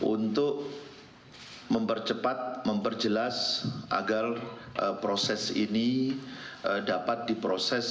untuk mempercepat memperjelas agar proses ini dapat diproses